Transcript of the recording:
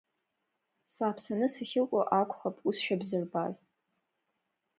Сааԥсаны сахьыҟоу акәхап усшәа бзырбаз!